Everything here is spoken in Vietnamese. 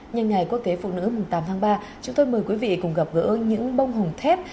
nhân ngày quốc tế phụ nữ tám tháng ba chúng tôi mời quý vị cùng gặp gỡ những bông hồng thép